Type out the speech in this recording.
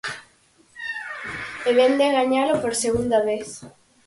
E vén de gañalo, por segunda vez.